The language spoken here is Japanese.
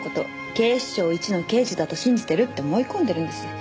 警視庁一の刑事だと信じてるって思い込んでるんです。